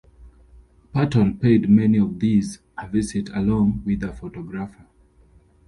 Patton paid many of these a visit along with a photographer.